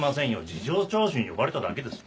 事情聴取に呼ばれただけです。